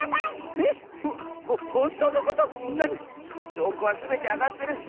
しょうこはすべてあがってるッス！